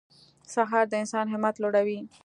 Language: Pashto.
سهار د انسان همت لوړوي.